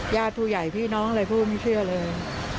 ญาติผู้ใหญ่พี่น้องอะไรผู้ไม่เชื่อเลย